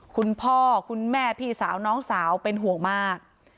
คุณพ่อคุณแม่พี่สาวน้องสาวเป็นห่วงมาก